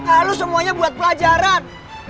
ah lu semuanya buat pelajaran